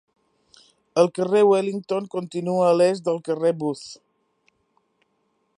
El carrer Wellington continua a l'est del carrer Booth.